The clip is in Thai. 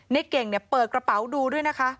นายเก่งเปิดกระเป๋าดูด้วยนะคะ